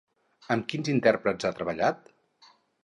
Amb quins intèrprets ha treballat?